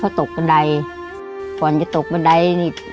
หลานก็ทำไม่ได้หลานก็ทำไม่ได้ต้องทำเลี้ยงคนเดียว